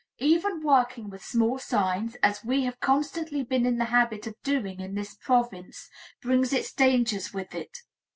Even working with small signs, as we have constantly been in the habit of doing in this province, brings its dangers with it.